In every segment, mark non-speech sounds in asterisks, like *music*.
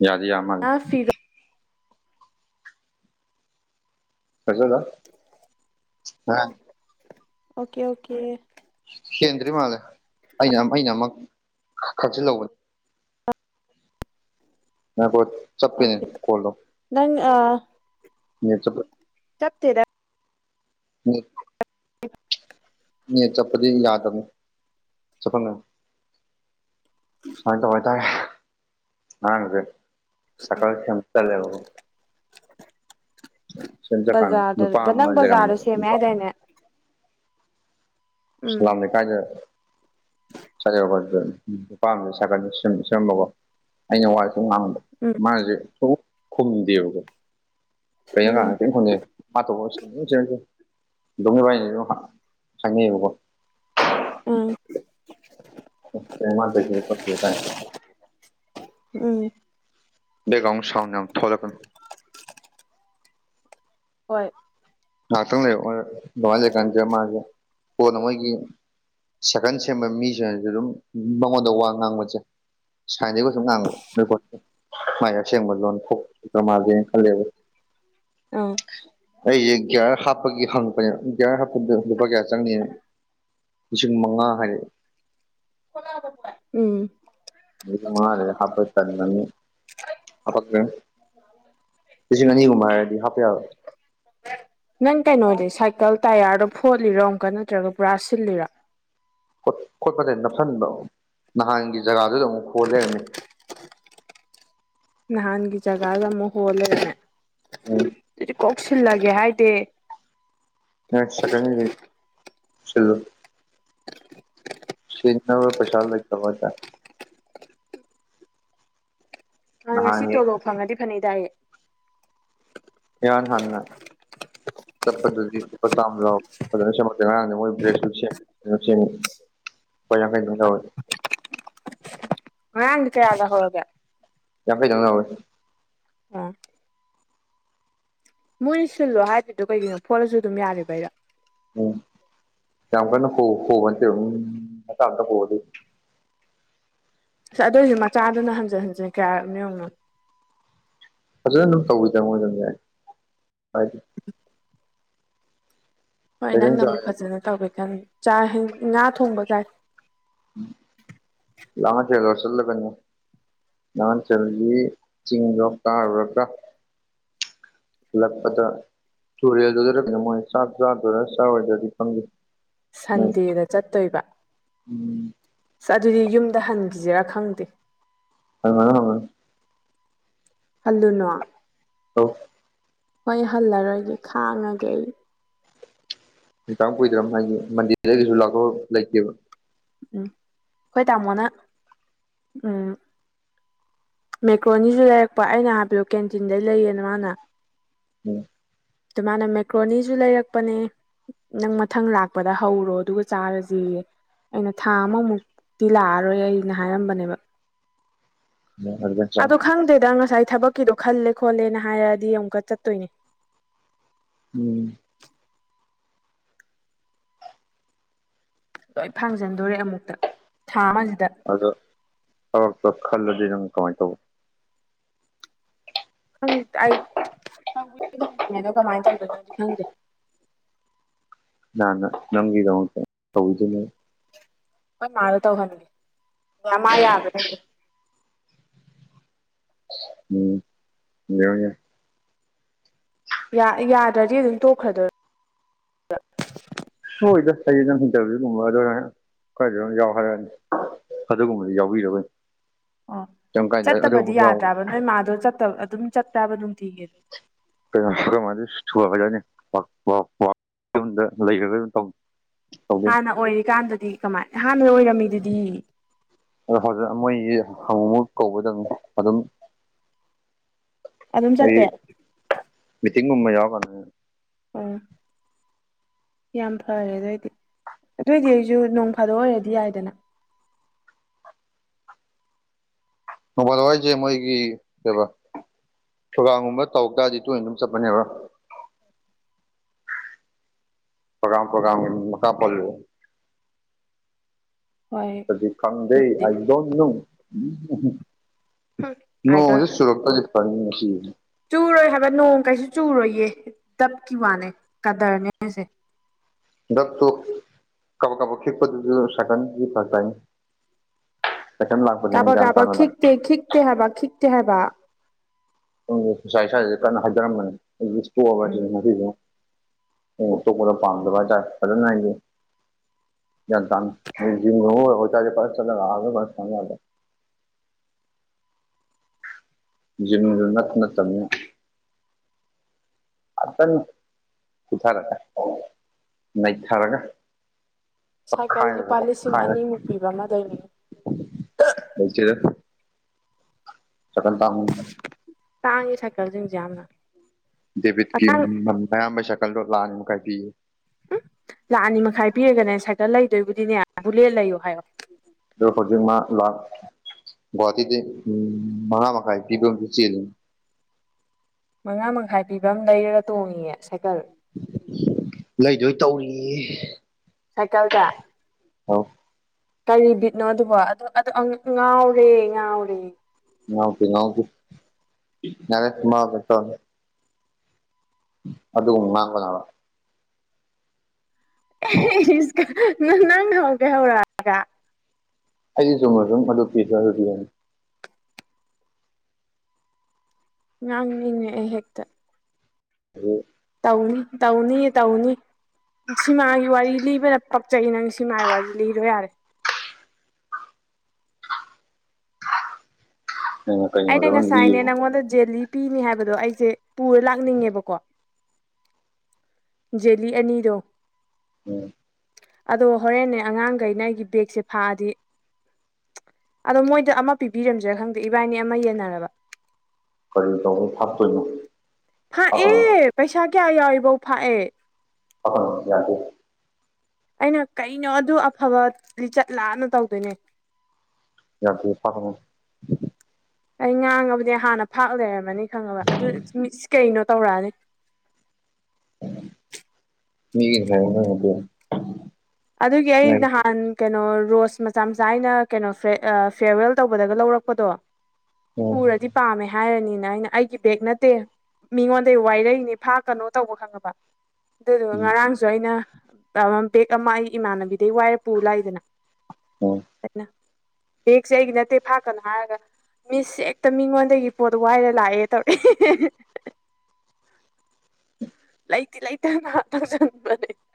ꯌꯥꯗ ꯌꯥꯝ ꯃꯥꯅꯤ ꯑ ꯐꯤꯔꯣ ꯀꯁꯣꯗ ꯍꯥ *unintelligible* ꯑꯣꯀꯦ ꯑꯣꯀꯦ ꯍꯦꯟꯗ꯭ꯔꯤ ꯃꯥꯜꯂꯦ ꯑꯩꯅ ꯑꯩꯅ ꯑꯃꯨꯛ ꯈꯛꯆꯜꯍꯧꯕꯅꯦ ꯃꯣꯏ ꯆꯞꯄꯦ ꯑꯣꯀꯦ ꯈꯣꯂꯂꯣ ꯅꯪ ꯆꯞꯇꯦꯗ ꯎꯝ ꯍ *unintelligible* ꯏ ꯆꯠꯄꯗꯤ ꯌꯥꯗꯕꯅꯤ ꯆꯠꯄ ꯉ ꯁꯨꯃꯥꯏ ꯇꯧꯕ ꯍꯥꯏꯇꯥꯔꯦ ꯉꯔꯥꯡꯁꯦ ꯁꯀꯜ *unintelligible* ꯁ ꯆꯀꯥꯥꯟ ꯅꯨꯄꯥ ꯕꯖꯥꯔꯗ ꯑꯃ ꯅꯪ ꯂꯩꯔꯃꯦ ꯕꯖꯥꯔꯗ ꯁꯦꯝꯃꯦ *unintelligible* ꯍꯥꯏꯗꯥꯏꯅꯦ ꯎꯝ ꯁꯂꯝ ꯀꯥꯏꯗ ꯄꯥꯝ ꯁꯥꯠ ꯁꯝꯕꯀꯣ ꯑꯩꯅ ꯋꯥ ꯗ ꯎꯝ ꯃꯥꯁꯦ ꯊ ꯈꯨꯨꯝꯗꯦꯕꯀꯣ ꯎꯝ ꯀꯩꯅꯩꯅꯀꯥꯡꯅ ꯀ ꯈꯪꯉꯦ ꯃꯥꯊ ꯃꯤꯕꯏꯅꯤ ꯆꯉꯦꯕꯀꯣ ꯑꯥ ꯃꯥꯗ ꯐꯇ ꯀ *unintelligible* ꯎꯝ ꯕꯦꯛꯒ꯭ꯔꯎꯜ ꯁꯎꯜ ꯌꯥꯝ ꯊꯣꯛꯍꯜꯂꯀꯅꯨ *inaudible* ꯍꯣꯏ ꯉꯥꯏꯍꯥꯛꯇꯪ ꯂꯩ ꯉ *unintelligible* ꯂꯩꯀꯥꯟꯁꯦ ꯃꯥꯁꯦ ꯀꯣꯟꯅ ꯃꯣꯏꯒꯤ ꯁꯥꯏꯀꯟ ꯁꯦꯝꯕ ꯃꯤꯁꯤꯡꯅꯁꯨ ꯑꯗꯨꯝ ꯃꯉꯣꯟꯗ ꯋꯥ ꯉꯥꯡꯕꯁꯦ ꯁꯥꯏꯗꯒꯤ ꯀꯩꯁꯨꯨꯝ ꯉꯥꯡꯕ *unintelligible* ꯅꯣꯏ ꯃꯥꯏ ꯑꯁꯦꯡꯕ ꯂꯣꯟ ꯊꯣꯛ ꯃꯥꯜꯂꯦꯅ ꯈꯜꯂꯦꯕ ꯑꯥ ꯑꯩ ꯍꯥꯞꯄꯒꯤ ꯍꯪꯄ *unintelligible* ꯍꯥꯄ ꯂꯨꯄꯥ ꯀꯌꯥ ꯆꯪꯅꯤ ꯂꯤꯁꯤꯡ ꯃꯉꯥ ꯍꯥꯏꯔꯛꯦ ꯎꯝ ꯉꯔꯦ ꯍꯥꯞꯄ ꯇꯅꯤ ꯍꯥ *unintelligible* ꯅꯪ ꯀꯩꯅꯣꯗꯤ ꯁꯥꯏꯀꯜ ꯇꯌꯥꯔ ꯐꯣꯠꯂꯤꯔꯣ ꯑꯃꯨꯛꯀ ꯅꯠꯇ꯭ꯔꯒ ꯄꯨꯔꯥ ꯁꯤꯜꯂꯤꯔꯣ *unintelligible* ꯈꯣꯠꯄꯁ ꯅꯞꯁꯤꯟꯕ ꯅꯍꯥꯟꯒꯤ ꯖꯒꯥꯗꯨꯗ ꯑꯃꯨꯛ ꯍꯣꯖꯔꯅꯤ ꯅꯍꯥꯟꯒꯤ ꯖꯒꯥꯗ ꯑꯃꯨ ꯍꯣ *unintelligible* ꯎꯝ ꯀꯧꯁꯤꯜꯂꯒꯦ ꯍꯥꯏꯗꯦ *unintelligible* *unintelligible* ꯑ ꯉꯁꯤ ꯅꯍꯥꯟ ꯍꯦꯛ ꯇꯣꯂꯣꯞ ꯐꯪꯉꯗꯤ ꯐꯅꯦꯛ ꯇꯏꯌꯦ ꯏꯍꯥꯟ ꯈꯥꯟꯅ ꯆꯠꯄꯗꯗꯤ ꯂꯨꯄꯥ ꯆꯥꯝꯃ ꯂꯥꯎ ꯐꯖꯅ ꯁꯦꯝꯃꯛꯇꯦ ꯉꯔꯥꯡꯗꯤ ꯃꯣꯏ ꯕ꯭ꯔꯦꯛꯁꯨ ꯁꯦꯡꯉ *unintelligible* *unintelligible* *unintelligible* ꯑ ꯃꯣꯏꯅ ꯁꯤꯜꯂꯣ ꯍꯥꯏꯗꯗꯣ ꯀꯩꯒꯤꯅꯣ ꯐꯣꯠꯂꯁꯨ ꯑꯗꯨꯝ ꯌꯥꯔꯕ ꯑꯩꯔ ꯎꯝ *unintelligible* ꯑꯁ ꯑꯗꯨꯏꯗꯤ ꯃꯆꯥꯗꯨꯅ ꯍꯟꯖꯤꯟ ꯍꯟꯖꯤꯟ ꯀꯌꯥ ꯅꯤꯌꯣꯅꯣ ꯐꯖꯅ ꯑꯗꯨꯝ ꯇꯧꯕꯋꯤ ꯆꯃꯣꯏꯗꯅꯦ ꯍꯥꯏꯗꯤ ꯍꯣꯏ ꯀꯩꯖꯥꯡ ꯅꯪꯅꯕꯨ ꯆꯥꯔꯦ ꯐꯖꯅ ꯇꯧꯒꯦ ꯈꯟ ꯆ ꯉꯥ ꯊꯣꯡꯕ ꯀꯥꯏ *unintelligible* ꯅꯍꯥꯟ ꯁꯕꯖꯤ ꯆꯤꯡꯗꯣ ꯇꯥꯔꯨꯔꯀ ꯂꯛꯄꯗ ꯇꯨꯔꯦꯜ ꯃꯣꯏ ꯆꯥꯛ ꯆꯥꯗꯔ ꯆꯥꯗꯗꯤ ꯐꯪꯗ ꯁꯟꯗꯦꯗ ꯆꯠꯇꯣꯏꯕ ꯎꯝ ꯑꯁ ꯑꯗꯨꯗꯤ ꯌꯨꯝꯗ ꯍꯟꯈꯤꯁꯤꯔꯥ ꯈꯪꯗꯦ ꯑ ꯍꯜꯂꯨꯅꯑꯣ ꯑ ꯍꯣꯏ ꯍꯜꯂꯔꯣꯏꯒꯦ ꯈꯥꯡꯉꯒꯦ ꯑꯩ ꯇ ꯀꯨꯏꯗꯝ ꯍꯥꯏꯒꯦ ꯃꯟꯗꯤꯔꯗꯒꯤꯁꯨ ꯂꯥꯛꯄ ꯂꯩꯇꯦꯕ ꯎꯝ ꯑꯩꯈꯣꯏ ꯇꯥꯃꯣꯅ ꯎꯝ ꯃꯦꯀ꯭ꯔꯣꯅꯤꯁꯨ ꯂꯩꯔꯛꯄ ꯑꯩꯅ ꯍꯥꯏꯄꯤꯌꯣ ꯀꯦꯟꯇꯤꯟꯗꯩ ꯂꯩꯌꯦꯅ ꯃꯥꯅ ꯎꯝ ꯑꯗꯨꯃꯥꯏꯅ ꯃꯦꯀ꯭ꯔꯣꯅꯤꯁꯨ ꯂꯩꯔꯛꯄꯅꯦ ꯅꯪ ꯃꯊꯪ ꯂꯥꯛꯄꯗ ꯍꯧꯔꯣ ꯑꯗꯨꯒ ꯆꯥꯔꯁꯤ ꯑꯩꯅ ꯊꯥ ꯑꯃꯃꯨꯛꯇꯤ ꯂꯥꯛꯑꯔꯣꯏ ꯑꯩꯅ ꯍꯥꯏꯔꯝꯕꯅꯦꯕ ꯑꯗꯨꯗ ꯑꯗꯣ ꯈꯪꯗꯗ ꯑꯉ ꯁꯥꯏ ꯊꯕꯛꯀꯤꯗꯣ ꯈꯜꯂꯦ ꯈꯣꯠꯂꯦꯅ ꯍꯥꯏꯔꯛꯗꯤ ꯑꯃꯨꯛꯀ ꯆꯠꯇꯣꯏꯅꯦ ꯎꯝ ꯂꯣꯏ ꯐꯥꯡꯖꯟꯗꯣꯔꯦ ꯑꯃꯨꯛꯇ ꯊꯥ ꯑꯃꯁꯤꯗ ꯑꯗꯣ ꯊꯕꯛꯇꯣ ꯈꯜꯂꯗꯤ ꯅꯪ ꯀꯃꯥꯏꯅ ꯇꯧꯕ ꯑꯩ ꯑꯗꯣ ꯀꯃꯥꯏꯅ ꯇꯧꯗꯣꯏꯅꯣꯗꯤ ꯈꯪꯗꯦ ꯅꯥꯅ ꯅꯪꯒꯤꯗꯃꯛꯇ ꯇꯧꯕꯤꯗꯣꯏ ꯅꯣ ꯑꯩꯈꯣꯏ ꯃꯥꯗ ꯇꯧꯍꯟꯒꯦ ꯅꯃꯥ ꯌꯥꯕ꯭ꯔꯦ ꯎꯝ ꯌꯦꯡꯉꯣ ꯌꯦꯡꯉꯣ ꯌꯥ ꯌꯥꯗ꯭ꯔꯗꯤ ꯑꯗꯨꯝ ꯇꯣꯛꯈ꯭ꯔꯗꯣꯏ ꯔ ꯍꯣꯏꯗ ꯑꯩꯗꯤ ꯅꯪ ꯢꯟꯇꯔꯕ꯭ꯌꯤꯒꯨꯝꯕꯗ ꯑꯣꯏꯅ ꯈꯔꯗꯤ ꯑꯗꯨꯝ ꯌꯥꯎ ꯍꯥꯏꯔꯛꯑꯅꯤ ꯑꯗꯨꯒꯨꯝꯕꯗꯤ ꯌꯥꯎꯕꯤꯗꯕꯩꯅꯦ ꯑꯣ ꯆꯠꯇꯕꯗꯤ ꯌꯥꯗ꯭ꯔꯕ ꯅꯣꯏ ꯃꯥꯗꯣ ꯆꯠꯇ ꯑꯗꯨꯝ ꯆꯠꯄꯔꯕ ꯅꯨꯡꯇꯤꯒꯤ ꯀꯩꯅꯣ ꯑꯩꯈꯣꯏ ꯃꯥꯗꯤ ꯁꯨꯄꯔꯚꯥꯢꯖꯔ ꯅꯤ ꯋꯛ ꯋꯥ ꯋꯥ ꯌꯨꯝꯗ ꯂꯩꯔꯕꯩ ꯃꯇꯝ ꯍꯥꯟꯅ ꯑꯣꯏꯔꯤꯀꯥꯟꯗꯗꯤ ꯀꯃꯥꯏ ꯍꯥꯟꯅ ꯑꯣꯏꯔꯝꯃꯤꯗꯨꯗꯤ ꯑꯗꯨ ꯍꯧꯖꯦꯛ ꯑꯃꯣꯏꯒꯤ ꯍꯪ ꯃꯨꯛ ꯀꯧꯕꯗꯪ ꯑꯗꯨꯝ ꯑꯗꯨꯝ ꯆꯠꯇꯦ ꯇꯤꯡꯒꯨꯝꯕ ꯌꯥꯎꯔꯀꯟꯗ ꯉ ꯎꯝ ꯌꯥꯝ ꯐꯔꯦ ꯑꯗꯣꯏꯗꯤ ꯑꯗꯣꯏꯗꯤ ꯑꯩꯖꯨ ꯅꯣꯡ ꯐꯥꯗꯣꯛ ꯑꯣꯏꯔꯗꯤ ꯌꯥꯏꯗꯅ ꯑ ꯅꯣꯡ ꯐꯥꯗꯣꯛ ꯍꯥꯏꯖꯦ ꯃꯣꯢꯒꯤ ꯀꯩꯕ ꯊ꯭ꯔꯣꯒꯥꯝꯒꯨꯝꯕ ꯇꯧ ꯇꯥꯔꯗꯤ ꯇꯣꯏꯅ ꯑꯗꯨꯝ ꯆꯠꯄꯅꯦꯕ ꯄꯔꯣꯒ꯭ꯔꯥꯝ ꯄ꯭ꯔꯣꯒ꯭ꯔꯥꯝꯒꯤ ꯃ ꯃꯈꯥ ꯄꯣꯜꯂꯦ ꯍꯣꯏ ꯑꯗꯤ ꯈꯪꯗꯦ ꯑꯗꯨꯕꯨꯗꯤ ꯑꯥꯏ ꯗꯣꯟ ꯅꯣ ꯎꯝ ꯎꯝꯍꯨꯝ ꯑꯗꯣ ꯅꯣꯡꯖꯦ ꯁꯨꯔꯛ ꯇꯔꯗꯤ ꯐꯅꯤ ꯉꯁꯤꯖꯦ ꯆꯨꯔꯣꯏ ꯍꯥꯏꯕ ꯅꯣꯡ ꯀꯩꯁꯨ ꯆꯨꯔꯣꯏꯌꯦ ꯗꯕꯀꯤ ꯋꯥꯅꯦ ꯀꯗ꯭ꯔꯅꯦ ꯑꯁꯦ ꯗꯕ ꯇꯣ ꯀꯕꯣ ꯀꯕꯛ ꯈꯤꯛꯄꯗꯨꯗ ꯁꯥꯏꯀꯟꯗꯤ ꯐꯔꯛ ꯇꯥꯢꯅꯤ *unintelligible* ꯀꯕꯛ ꯀꯕꯛ ꯈꯤꯛꯇꯦ ꯈꯤꯛꯇꯦ ꯍꯥꯏꯕ ꯈꯤꯛꯇꯦ ꯍꯥꯏꯕ ꯎꯝ ꯉꯁꯥꯏ ꯁ꯭ꯋꯥꯏꯗꯗꯤ ꯀꯟꯅ ꯍꯩꯗꯔꯝꯕꯅꯤ ꯑꯩꯗꯤ ꯇꯣꯛꯑꯕ ꯁꯤꯅꯤ ꯎꯝ ꯉꯁꯤꯖꯤꯃ ꯑꯣ ꯑꯇꯣꯞꯄꯗ ꯄꯥꯝꯗꯕ ꯍꯥꯏꯇꯥꯔꯦ ꯐꯖꯅ ꯍꯥꯏꯗꯤ ꯒ꯭ꯌꯥꯟꯇꯅ ꯐꯥꯆꯠꯂꯒ ꯑꯒꯨꯝꯕꯗ ꯊꯝ ꯌꯥꯕ *unintelligible* *unintelligible* ꯖꯤꯝꯖꯨ ꯅꯥꯛꯅ ꯇꯝꯅꯤ ꯑꯇꯪ ꯀꯨꯊꯔꯗꯥꯏ ꯅꯩꯊꯔꯒ ꯆꯞ ꯁꯥꯏꯀꯜ ꯈꯥꯏꯔꯒ ꯂꯨꯄꯥ ꯂꯤꯁꯤꯡ ꯑꯣꯛꯈꯥꯏꯔꯒ ꯑꯅꯤꯃꯨꯛ ꯄꯤꯕ ꯑꯃ ꯂꯩꯕꯅꯦ ꯂꯩꯆꯔ ꯆꯀꯟ ꯇꯥꯡꯉꯨ ꯇꯥꯡꯉꯤ ꯁꯥꯏꯀꯜꯖꯤꯡꯖꯦ ꯌꯥꯝꯅ ꯗꯦꯕꯤꯠꯀꯤ ꯑꯉꯥꯡ ꯃ ꯃꯌꯥꯝꯕꯒꯤ ꯁꯥꯢꯀꯜꯗꯨ ꯂꯥꯛꯑꯅꯤ ꯃꯈꯥꯏ ꯄꯤꯌꯦ ꯎꯝ ꯂꯥꯛ ꯑꯅꯤ ꯃꯈꯥꯏ ꯄꯤꯔꯒꯅꯦ ꯁꯥꯏꯀꯜ ꯂꯩꯗꯣꯏꯕꯨꯗꯤꯅꯦ ꯕꯨꯂꯦꯠ ꯂꯩꯌꯣ ꯍꯥꯏꯌꯣ ꯗꯣ ꯍꯩꯖꯤꯛ ꯃꯥ ꯂꯥꯛ ꯒ꯭ꯋꯥꯇꯤꯗꯩ ꯎꯝ ꯃꯉꯥ ꯃꯈꯥꯏ ꯄꯤꯕ ꯑꯝꯖꯨ ꯆꯦꯟꯂꯤꯅꯦ ꯃꯉꯥ ꯃꯈꯥꯏ ꯄꯤꯕ ꯑꯃ ꯂꯩꯔꯒ ꯇꯣꯡꯉꯤꯌꯦ ꯁꯥꯏꯀꯜ ꯂꯩꯗꯣꯏ ꯇꯧꯔꯤꯌꯦ ꯁꯥꯏꯀꯜꯗ ꯑꯧ ꯀꯔꯤ ꯕꯤꯠꯅꯣ ꯑꯗꯨꯕꯣ ꯑꯗꯣ ꯑꯗꯢ ꯉꯥꯎꯔꯦ ꯉꯥꯎꯔꯦ ꯉꯥꯎꯗꯦ ꯉꯥꯎꯗꯦ ꯌꯥꯔꯦ ꯃ ꯊꯣꯛ ꯇꯧꯔꯅꯤ ꯑꯗꯨ ꯉꯥꯡꯒꯅꯣ ꯍꯥꯏꯕ ꯑꯍꯦ ꯑꯍꯦ ꯀ ꯅꯪ ꯍꯧꯒꯦ ꯍꯧꯔꯒ ꯑꯩꯗꯤ ꯆꯨꯝꯅ ꯑꯗꯨꯝ ꯃꯗꯨ ꯄꯤꯖꯒꯗꯨꯢꯅꯦ ꯅꯪꯅꯤꯅꯦ ꯑꯍꯦꯛꯇ ꯗ꯭ꯔꯨ ꯇꯥꯎꯅꯤ ꯇꯥꯎꯅꯤꯌꯦ ꯇꯥꯎꯅꯤ ꯁꯤꯃꯥꯒꯤ ꯋꯥꯔꯤ ꯂꯤꯕꯅ ꯄꯛꯆꯩ ꯅꯪ ꯁꯤꯃꯥꯒꯤ ꯋꯥꯔꯤ ꯂꯤꯔꯣ ꯌꯥꯔꯦ ꯑꯩꯅ ꯀꯩꯅꯣꯗ ꯑꯃ ꯉꯁꯥꯏꯅꯦ ꯂꯤꯌꯨ ꯅꯉꯣꯜꯗ ꯖꯦꯂꯤ ꯄꯤꯅꯤ ꯍꯥꯏꯕꯗꯣ ꯑꯩꯁꯦ ꯄꯨꯔ ꯂꯥꯛꯅꯤꯡꯉꯦꯕꯀꯣ ꯖꯦꯂꯤ ꯑꯅꯤꯔꯣ ꯎꯝ ꯑꯗꯣ ꯍꯣꯔꯦꯟꯅꯦ ꯑꯉꯥꯡꯈꯩꯅ ꯑꯩꯒꯤ ꯕꯦꯒꯁꯦ ꯐꯥꯑꯗꯤ ꯑꯗꯣ ꯃꯣꯏꯗ ꯑꯃ ꯄꯤꯕꯤꯔꯝꯗ꯭ꯔꯥ ꯈꯪꯗꯦ ꯏꯕꯥꯏꯅꯤ ꯑꯃ ꯌꯦꯟꯅꯔꯕ ꯀꯔꯤ ꯇꯧꯕ ꯍꯥꯞꯇꯣꯏꯅꯣ ꯍꯥꯞꯀꯅꯨ ꯐꯥꯛꯑꯦ ꯄꯩꯁꯥ ꯀꯌꯥ ꯌꯥꯎꯏꯐꯧ ꯐꯥꯛꯑꯦ ꯀꯈ ꯌꯥꯇꯦ ꯑꯩꯅ ꯀꯩꯅꯣ ꯑꯗꯨ ꯑꯐꯕ ꯂꯤꯆꯠꯂꯥꯑꯅ ꯇꯧꯗꯣꯏꯅꯦ ꯌꯥ ꯐꯔꯣ *unintelligible* ꯑꯩ ꯉꯥꯡꯉꯕꯨꯗꯤ ꯍꯥꯟꯅ ꯐꯥꯛ ꯂꯩꯔꯝꯃꯅꯤ ꯈꯪꯉꯕ ꯑꯗꯨ ꯀꯩꯅꯣ ꯇꯧꯔꯛꯑꯅꯤ ꯍꯥꯏ ꯑꯗꯨꯒꯤ ꯑꯩ ꯅꯍꯥꯟ ꯀꯩꯅꯣ ꯔꯣꯁ ꯃꯆꯥ ꯃꯆꯥ ꯑꯩꯅ ꯀꯩꯅꯣ ꯐꯤꯌꯔꯋꯦꯜ ꯇꯧꯕꯗꯒ ꯂꯧꯔꯛꯄꯗꯣ ꯎꯔꯗꯤ ꯄꯥꯝꯃꯦ ꯍꯥꯏꯔꯅꯤꯅ ꯑꯩꯅ ꯑꯩꯒꯤ ꯕꯦꯒ ꯅꯠꯇꯦ ꯃꯤꯉꯣꯟꯗꯒꯤ ꯋꯥꯏꯔꯛꯏꯅꯦ ꯐꯥ ꯀꯩꯅꯣ ꯇꯧꯕ ꯈꯪꯉꯕ ꯑꯗꯨꯗꯨ ꯉꯔꯥꯡꯁꯨ ꯑꯩꯅ ꯕꯦꯛ ꯑꯃ ꯑꯩ ꯏꯃꯥꯟꯅꯕꯤꯗꯩ ꯋꯥꯏꯔ ꯄꯨ ꯂꯥꯛꯏꯗꯅ ꯎꯝ ꯑꯩꯅ ꯕꯒꯁꯦ ꯑꯩꯒꯤ ꯅꯠꯇꯦ ꯐꯥꯛꯀꯅꯨ ꯍꯥꯏꯔꯒ ꯃꯤꯁ ꯍꯦꯛꯇ ꯃꯤꯉꯣꯟꯗꯒꯤ ꯄꯣꯠ ꯋꯥꯏꯔ ꯂꯥꯛꯑꯦ ꯇꯧꯔꯛꯑꯦ *inaudible* ꯂꯥꯏꯇꯤ ꯂꯩ ꯇꯅ *unintelligible*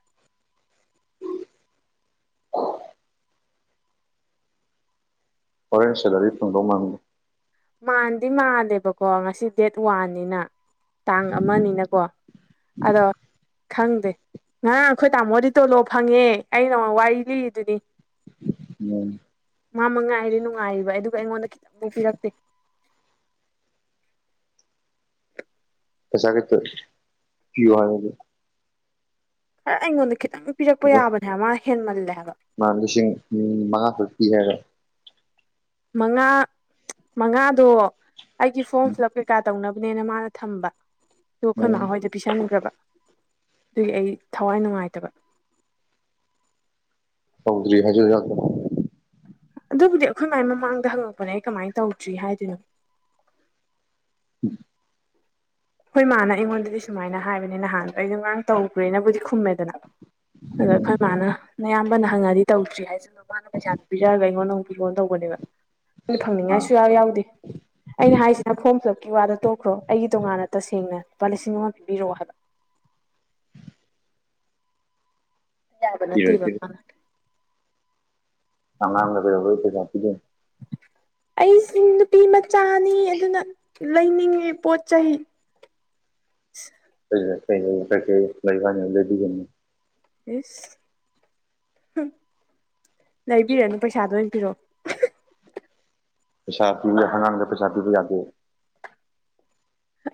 ꯍꯣꯔꯦꯟ ꯁꯦꯂꯔꯤ ꯐꯪꯗꯧ ꯃꯥꯟꯕ ꯃꯥꯟꯗꯤ ꯃꯥꯜꯂꯦꯕꯀꯣ ꯉꯁꯤ ꯗꯦꯠ ꯋꯥꯟꯅꯤꯅ ꯇꯥꯡ ꯑꯃꯅꯤꯅꯀꯣ ꯑꯗꯣ ꯈꯪꯗꯦ ꯉꯍꯥ ꯑꯩꯈꯣꯏ ꯇꯥꯃꯣꯗꯤ ꯇꯣꯂꯣ ꯐꯪꯉꯦ ꯑ ꯅ ꯑꯃ ꯋꯥꯔꯤ ꯂꯤꯔꯤꯗꯨꯅꯤ ꯎꯝ ꯃꯥ ꯃꯉꯥꯏꯔꯦ ꯅꯨꯡꯉꯥꯏꯔꯤꯕ ꯑꯗꯨꯒ ꯑꯩꯉꯣꯟꯗ ꯈꯤꯇꯪꯕꯨ ꯄꯤꯔꯛꯇꯦ ꯄꯩꯁꯥ ꯈꯤꯇ ꯄꯤꯌꯨ ꯍꯥꯏ ꯈꯔ ꯑꯩꯉꯣꯟꯗ ꯈꯤꯇꯪ ꯄꯤꯔꯛꯄ ꯍꯣꯏ ꯌꯥꯕꯅꯦ ꯍꯥꯏꯕ ꯃꯥ ꯍꯦꯟꯃꯜꯂꯦ ꯍꯥꯏ ꯃꯥ ꯂꯤꯁꯤꯡ ꯃꯉꯥ ꯇꯔꯨꯛ ꯄꯤ ꯍꯥꯏꯔꯣ ꯃꯉꯥ ꯃꯉꯥꯗꯣ ꯑꯩꯒꯤ ꯐꯣꯝ ꯐꯤꯜꯞ ꯀꯩꯀꯥ ꯇꯧꯅꯕ ꯑꯗꯨꯅꯦꯅ ꯃꯥꯅ ꯊꯝꯕ ꯑꯗꯨꯒ ꯑꯩꯈꯣꯏ ꯎꯝ ꯃꯥꯥꯍꯣꯏꯗ ꯄꯤꯁꯟꯈ꯭ꯔꯕ ꯑꯗꯨꯒꯤ ꯑꯩ ꯊꯋꯥꯏ ꯅꯨꯡꯉꯥꯏꯇꯕ ꯍꯧꯗ꯭ꯔꯤ ꯍꯥꯏ ꯌꯥ ꯑꯗꯨꯕꯨꯗꯤ ꯑꯩꯈꯣꯏ ꯃꯥꯏ ꯃꯃꯥꯡꯗ ꯍꯪꯉꯛꯄꯅꯦ ꯑꯩ ꯀꯃꯥꯏꯅ ꯇꯧꯗ꯭ꯔꯤ ꯍꯥꯏꯗꯣꯏꯅꯣ ꯎ ꯍꯣꯏ ꯃꯥꯅ ꯑꯩꯉꯣꯟꯗꯗꯤ ꯁꯨꯃꯥꯏꯅ ꯍꯥꯏꯕꯅꯦ ꯅꯍꯥꯟꯗꯣ ꯑꯩꯗꯣ ꯉꯔꯥꯡ ꯇꯧꯈ꯭ꯔꯦꯅꯕꯨꯗꯤ ꯈꯨꯝꯃꯦꯗꯅ ꯑꯗꯣ ꯑꯩꯈꯣꯏ ꯃꯥꯅ ꯅꯌꯥꯝꯕꯅ ꯍꯪꯉꯗꯤ ꯇꯧꯗ꯭ꯔꯤ ꯍꯥꯏꯁꯤꯅꯣ ꯃꯥꯅ ꯄꯩꯁꯥꯗꯨ ꯄꯤꯖꯔꯒ ꯑꯩꯉꯣꯟꯗ ꯑꯃꯨꯛ ꯐꯤ ꯐꯣꯟ ꯇꯧꯕꯅꯦꯕ ꯑꯩꯅ ꯑꯥ ꯐꯪꯅꯤꯡꯉꯥꯏꯁꯨ ꯌꯥꯎ ꯌꯥꯎꯗꯦ ꯑꯩꯅ ꯍꯥꯏꯁꯤꯅ ꯐꯣꯝ ꯐꯤꯜꯂꯞꯀꯤ ꯋꯥꯗ ꯇꯣꯛꯈ꯭ꯔꯣ ꯑꯩꯒꯤ ꯇꯣꯉꯥꯟꯅ ꯇꯁꯦꯡꯅ ꯂꯨꯄꯥ ꯂꯤꯁꯤꯡ ꯑꯃ ꯄꯤꯕꯤꯔꯛꯑꯣ ꯍꯥꯏꯕ ꯌꯥꯕ ꯄꯤꯔꯣꯏ ꯅꯠꯇꯕ ꯃꯥ ꯑꯗ ꯀ ꯑꯣꯏꯣꯏ ꯆꯄꯤꯤꯗꯦ *unintelligible* ꯑꯩꯁꯤ ꯅꯨꯄꯤ ꯃꯆꯥꯅꯤ ꯑꯗꯨꯅ ꯂꯩꯅꯤꯡꯉꯤ ꯄꯣꯠ ꯆꯩ ꯀ ꯃꯕꯥꯅꯤ ꯂꯩꯕꯤꯒꯅꯤ ꯏꯁ ꯂꯩꯕꯤꯔꯅꯨ ꯄꯩꯁꯥꯗꯣ ꯑꯣꯏ ꯄꯔꯛꯑꯣ ꯄꯩꯁꯥꯇꯤ ꯍꯪꯉꯥꯡꯗ ꯄꯩꯁꯥ ꯄꯤꯕ ꯌꯥꯗꯦ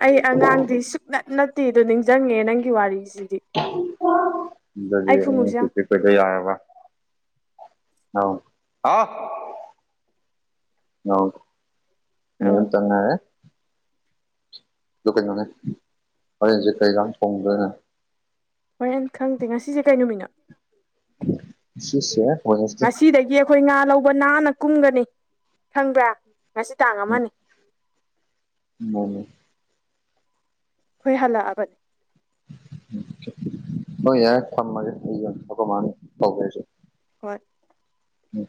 ꯑꯩ ꯑꯉꯥꯡꯗꯤ ꯁꯨꯛꯅ ꯅꯠꯇꯦꯗꯣ ꯅꯤꯡꯁꯤꯡꯉꯦ ꯅꯪꯒꯤ ꯋꯥꯔꯤꯁꯦ ꯈꯨꯉꯨꯞꯁꯦ ꯌꯥꯝ ꯁꯤ ꯀ ꯀ ꯌꯥꯔꯕ ꯑ ꯑ ꯑ ꯅꯟ ꯑꯧ ꯆꯉꯔꯦ ꯂꯀꯥꯏꯅꯦꯖ ꯀꯩ ꯂꯝꯥꯡ ꯐꯣꯡꯗ ꯍꯣꯏ ꯑ ꯈꯪꯗꯦ ꯉꯁꯤꯁꯦ ꯀꯩ ꯅꯨꯃꯤꯠꯅꯣ ꯉꯁꯤꯁꯦ ꯋꯦꯅꯁꯗꯦ ꯉꯁꯤꯗꯒꯤ ꯑꯩꯈꯣꯏ ꯉꯥ ꯂꯧꯕ ꯅꯥꯟꯅ ꯀꯨꯝꯒꯅꯤ ꯈꯪꯕ꯭ꯔꯥ ꯉꯁꯤ ꯇꯥꯡ ꯑꯃꯅꯤ ꯎꯝ ꯑꯩꯈꯣꯏ ꯍꯜꯂꯛꯑꯕꯅꯤ ꯍꯣꯏ ꯌꯥꯔ ꯊꯝꯃꯒꯦ ꯃꯥꯅꯤ ꯐꯧꯒ ꯍꯠ ꯎꯝ